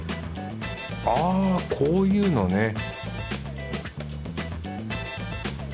あこういうのね